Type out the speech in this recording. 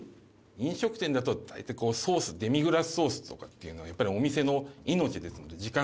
「飲食店だと大体ソースデミグラスソースとかっていうのはお店の命ですので時間かけるので」